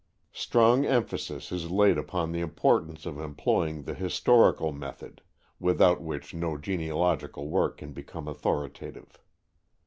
Strong emphasis is laid upon the importance of employing the historical method, without which no genealogical work can become authoritative.